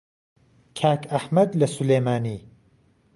کاک ئهحمهد له سولێمانی